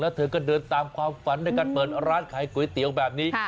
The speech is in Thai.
เธอก็เดินตามความฝันด้วยการเปิดร้านขายก๋วยเตี๋ยวแบบนี้